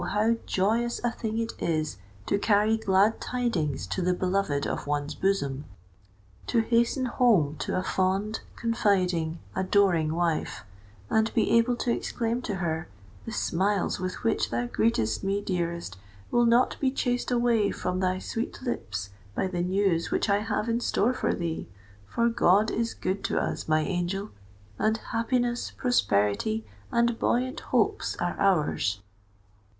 how joyous a thing it is to carry glad tidings to the beloved of one's bosom,—to hasten home to a fond, confiding, adoring wife, and be able to exclaim to her, "The smiles with which thou greetest me, dearest, will not be chased away from thy sweet lips by the news which I have in store for thee! For God is good to us, my angel—and happiness, prosperity, and buoyant hopes are ours!